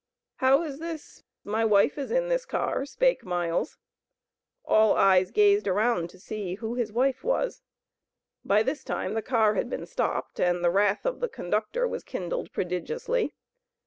"How is this, my wife is in this car," spake Miles. All eyes gazed around to see who his wife was. By this time the car had been stopped, and the wrath of the conductor was kindled prodigiously.